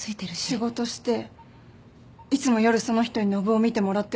仕事していつも夜その人に信男見てもらってるの？